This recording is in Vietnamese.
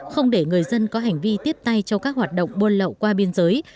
không để người dân có hành vi tiếp tay cho các hoạt động buôn lậu qua biên giới